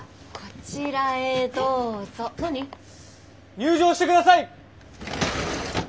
入場して下さい！